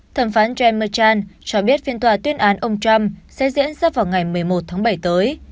thẩm phán james machan cho biết phiên tòa tuyên án ông trump sẽ diễn ra vào ngày một mươi một tháng bảy tới